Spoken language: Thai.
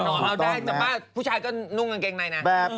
ผู้ชายก็นุ่งกางเกงในนะ